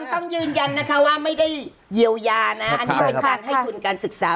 ต้องยืนยันนะคะว่าไม่ได้เยียวยานะอันนี้เป็นการให้ทุนการศึกษา